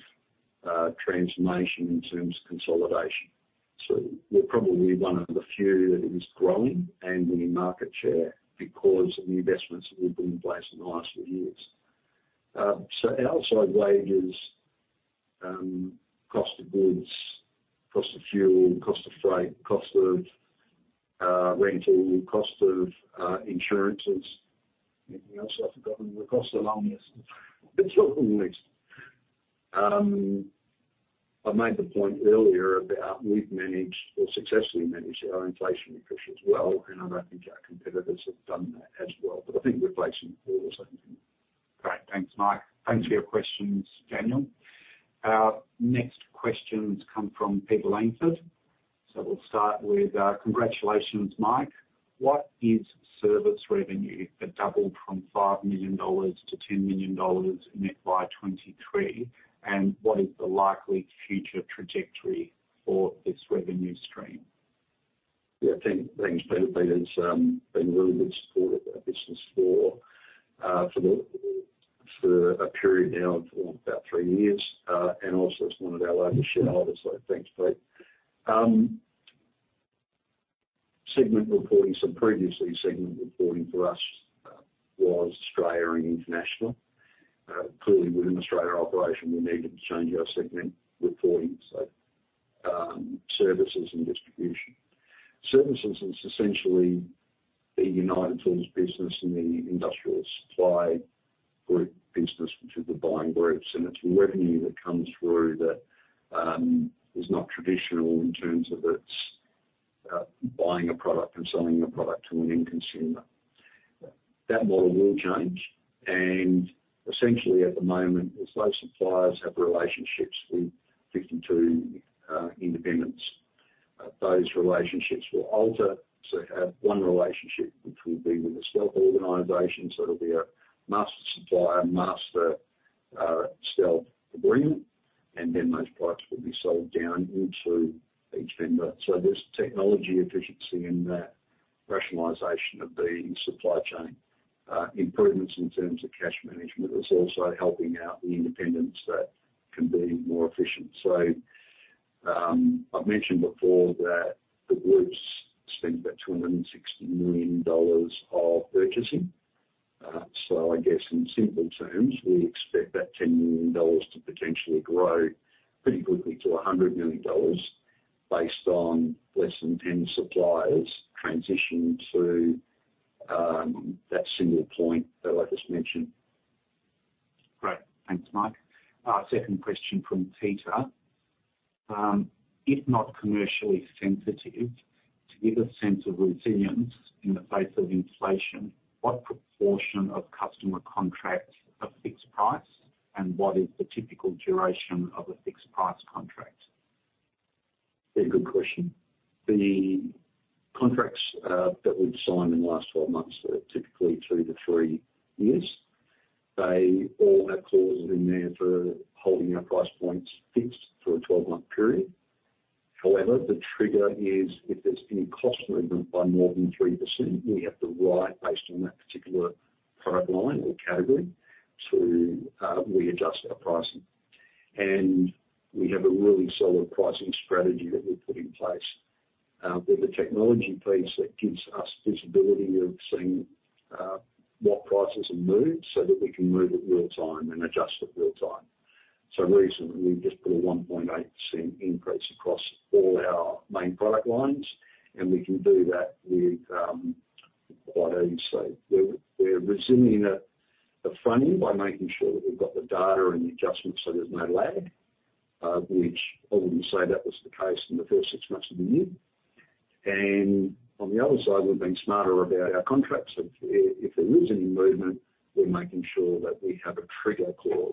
transformation in terms of consolidation. We're probably one of the few that is growing and winning market share because of the investments that we've put in place in the last few years. Our side wages, cost of goods, cost of fuel, cost of freight, cost of rental, cost of insurances. Anything else I've forgotten? The cost of long list. It's a long list. I made the point earlier about we've managed or successfully managed our inflationary pressure as well. I don't think our competitors have done that as well. I think we're facing all the same thing. Great. Thanks, Mike. Thanks for your questions, Daniel. Our next questions come from Peter Langford. We'll start with congratulations, Mike. What is service revenue that doubled from 5 million dollars to 10 million dollars in FY2023? What is the likely future trajectory for this revenue stream? Yeah, thanks, Peter. Peter's been a really good supporter of our business for a period now of about three years. Also, it's one of our largest shareholders, so thanks, Peter. Segment reporting, so previously segment reporting for us was Australia and international. Clearly, within Australia operation, we needed to change our segment reporting, so services and distribution. Services is essentially the United Tools business and the Industrial Supply Group business, which is the buying groups. Its revenue that comes through that is not traditional in terms of it's buying a product and selling the product to an end consumer. That model will change. Essentially at the moment, as those suppliers have relationships with 52 independents, those relationships will alter. There will be one relationship, which will be with a Stealth organization. It will be a master supplier, master Stealth agreement. Then those products will be sold down into each vendor. There is technology efficiency in that rationalization of the supply chain. Improvements in terms of cash management is also helping out the independents that can be more efficient. I have mentioned before that the group's spent about 260 million dollars of purchasing. I guess in simple terms, we expect that $10 million to potentially grow pretty quickly to $100 million based on less than 10 suppliers transition to that single point that I just mentioned. Great. Thanks, Mike. Our second question from Peter. If not commercially sensitive, to give a sense of resilience in the face of inflation, what proportion of customer contracts are fixed price? And what is the typical duration of a fixed price contract? Yeah, good question. The contracts that we've signed in the last 12 months are typically two to three years. They all have clauses in there for holding our price points fixed for a 12-month period. However, the trigger is if there's any cost movement by more than 3%, we have to write based on that particular product line or category to readjust our pricing. We have a really solid pricing strategy that we've put in place with the technology piece that gives us visibility of seeing what prices are moved so that we can move it real-time and adjust it real-time. Recently we've just put a 1.8% increase across all our main product lines. We can do that quite easily. We're resilient at the frame by making sure that we've got the data and the adjustments so there's no lag, which I wouldn't say was the case in the first six months of the year. On the other side, we've been smarter about our contracts. If there is any movement, we're making sure that we have a trigger clause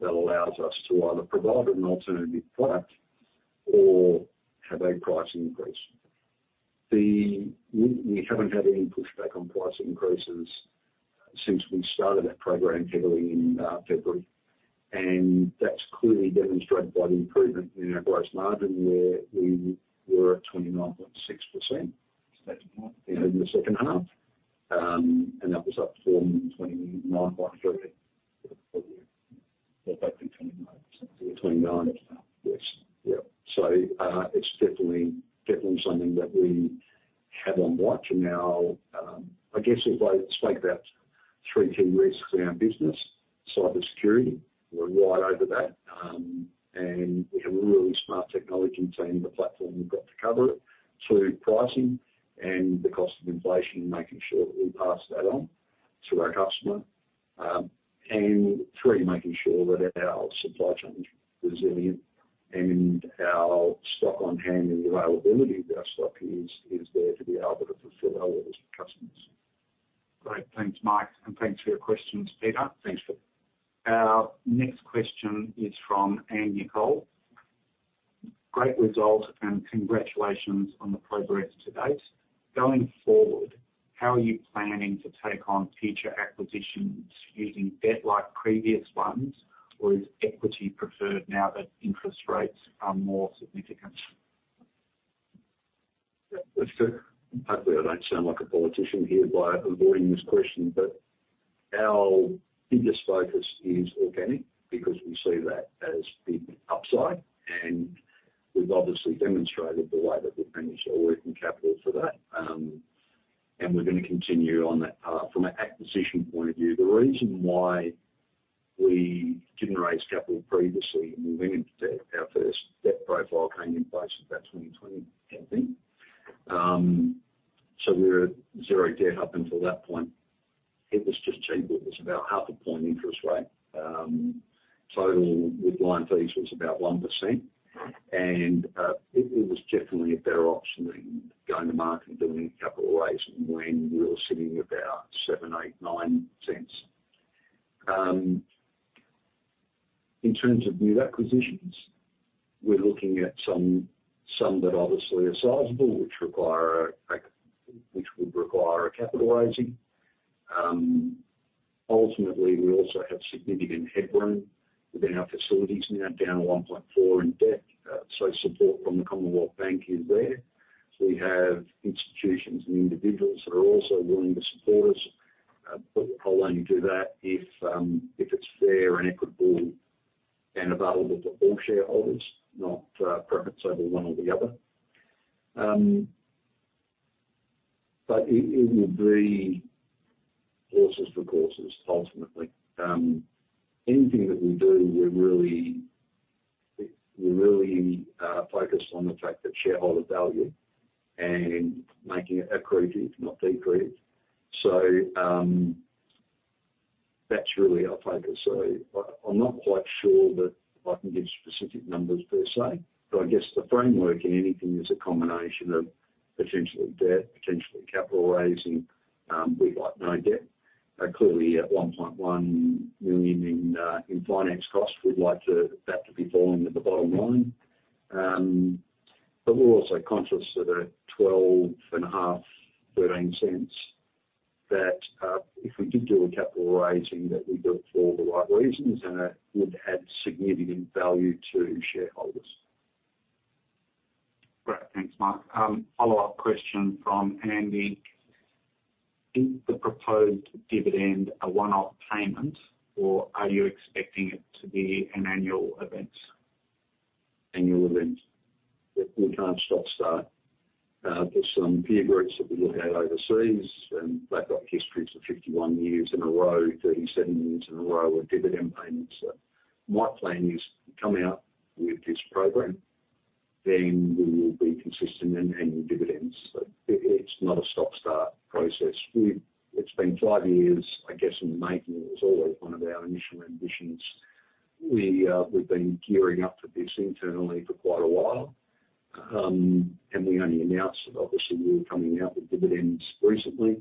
that allows us to either provide an alternative product or have a pricing increase. We haven't had any pushback on price increases since we started that program heading in February. That is clearly demonstrated by the improvement in our gross margin where we were at 29.6% in the second half. That was up from 29.3% for the full year. We're back to 29%. Twenty-nine, yes. Yeah. It is definitely something that we have on watch. Now I guess if I speak about three key risks in our business: cybersecurity, we're right over that, and we have a really smart technology team, the platform we've got to cover it; two, pricing and the cost of inflation, making sure that we pass that on to our customer; and three, making sure that our supply chain is resilient and our stock on hand and the availability of our stock is there to be able to fulfill our orders for customers. Great. Thanks, Mike. Thanks for your questions, Peter. Thanks, Peter. Our next question is from Andy Nicole. Great result and congratulations on the progress to date. Going forward, how are you planning to take on future acquisitions using debt like previous ones, or is equity preferred now that interest rates are more significant? Let's do it. Hopefully, I don't sound like a politician here by avoiding this question, but our biggest focus is organic because we see that as big upside. We have obviously demonstrated the way that we have managed our working capital for that. We are going to continue on that path from an acquisition point of view. The reason why we did not raise capital previously, we went into debt. Our first debt profile came in place about 2020, I think. We were zero debt up until that point. It was just cheap. It was about half a point interest rate. Total with line fees was about 1%. It was definitely a better option than going to market and doing a capital raise when we were sitting about 0.07, 0.08, 0.09. In terms of new acquisitions, we're looking at some that obviously are sizable, which would require a capital raising. Ultimately, we also have significant headroom within our facilities now, down 1.4 in debt. Support from the Commonwealth Bank is there. We have institutions and individuals that are also willing to support us. We will only do that if it's fair and equitable and available to all shareholders, not preference over one or the other. It will be horses for courses, ultimately. Anything that we do, we're really focused on the fact that shareholder value and making it accretive, not decretive. That's really our focus. I'm not quite sure that I can give specific numbers per se. I guess the framework in anything is a combination of potentially debt, potentially capital raising. We'd like no debt. Clearly, at 1.1 million in finance costs, we'd like that to be falling at the bottom line. We're also conscious that at 0.125-0.13, that if we did do a capital raising, that we do it for the right reasons and it would add significant value to shareholders. Great. Thanks, Mike. Follow-up question from Andy. Is the proposed dividend a one-off payment, or are you expecting it to be an annual event? Annual event. Yeah, we can't stop start. There's some peer groups that we look at overseas, and they've got histories of 51 years in a row, 37 years in a row of dividend payments. My plan is to come out with this program, then we will be consistent in annual dividends. It's not a stop-start process. It's been five years, I guess, in the making. It was always one of our initial ambitions. We've been gearing up for this internally for quite a while. We only announced that, obviously, we were coming out with dividends recently.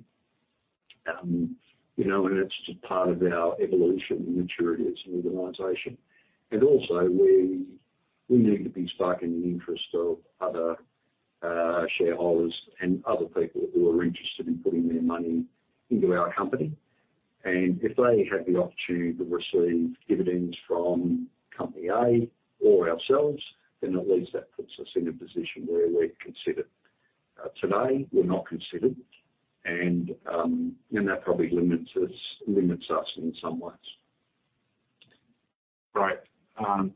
It's just part of our evolution and maturity as an organization. We need to be sparking the interest of other shareholders and other people who are interested in putting their money into our company. If they had the opportunity to receive dividends from Company A or ourselves, at least that puts us in a position where we're considered. Today, we're not considered. That probably limits us in some ways. Great.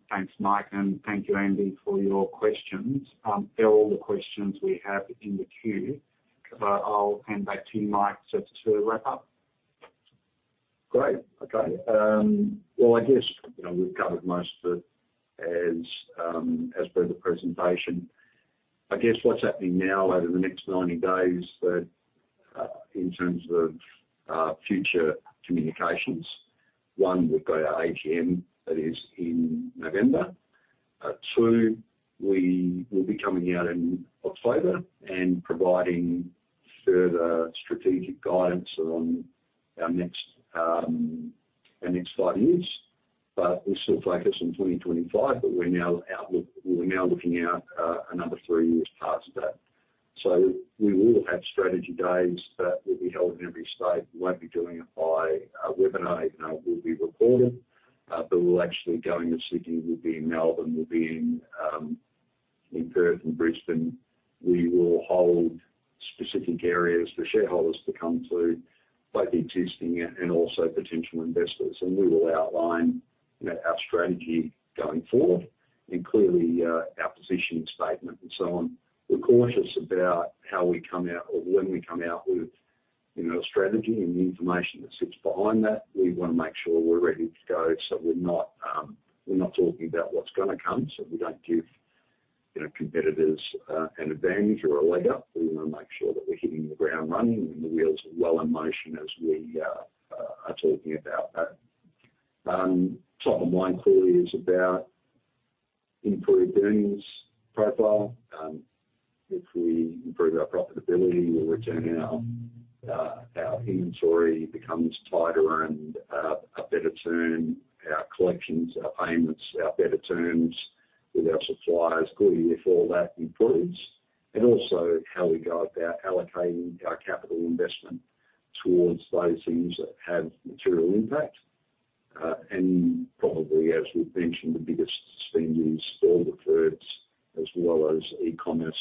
Thanks, Mike. Thank you, Andy, for your questions. They're all the questions we have in the queue. I'll hand back to you, Mike, just to wrap up. Great. Okay. I guess we've covered most of it as per the presentation. I guess what's happening now over the next 90 days in terms of future communications. One, we've got our AGM that is in November. Two, we will be coming out in October and providing further strategic guidance on our next five years. We're still focused on 2025, but we're now looking out another three years as part of that. We will have strategy days that will be held in every state. We won't be doing it by webinar. It will be recorded. We'll actually go in the city. We'll be in Melbourne. We'll be in Perth and Brisbane. We will hold specific areas for shareholders to come to, both existing and also potential investors. We will outline our strategy going forward and clearly our position statement and so on. We're cautious about how we come out or when we come out with a strategy and the information that sits behind that. We want to make sure we're ready to go. We're not talking about what's going to come, so we don't give competitors an advantage or a leg up. We want to make sure that we're hitting the ground running and the wheels are well in motion as we are talking about that. Top of mind clearly is about improved earnings profile. If we improve our profitability or return, our inventory becomes tighter and, in our better term, our collections, our payments, our better terms with our suppliers, clearly if all that improves. Also, how we go about allocating our capital investment towards those things that have material impact. As we've mentioned, the biggest spending is all the thirds, as well as e-commerce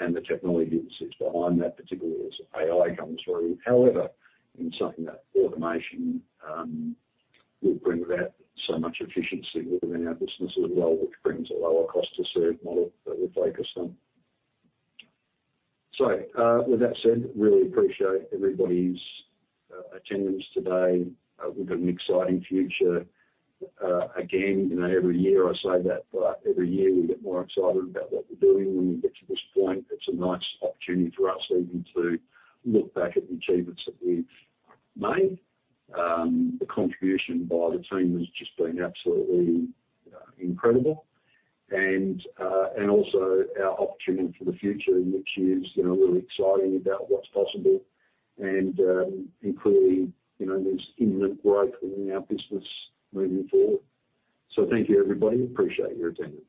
and the technology that sits behind that, particularly as AI comes through. However, in something that automation will bring about so much efficiency within our business as well, which brings a lower cost-to-serve model that we're focused on. With that said, really appreciate everybody's attendance today. We've got an exciting future. Every year I say that, but every year we get more excited about what we're doing when we get to this point. It's a nice opportunity for us even to look back at the achievements that we've made. The contribution by the team has just been absolutely incredible. Also our opportunity for the future, which is really exciting about what's possible. Clearly, there's imminent growth within our business moving forward. Thank you, everybody. Appreciate your attendance.